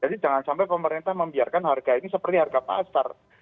jadi jangan sampai pemerintah membiarkan harga ini seperti harga pasar